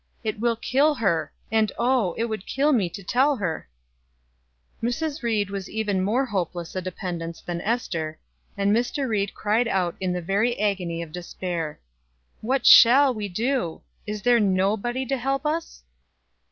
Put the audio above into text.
"It will kill her; and oh! it would kill me to tell her." Mrs. Ried was even more hopeless a dependence than Ester; and Mr. Ried cried out in the very agony of despair: "What shall we do? Is there nobody to help us?"